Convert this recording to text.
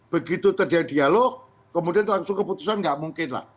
begitu terjadi dialog kemudian langsung keputusan nggak mungkin lah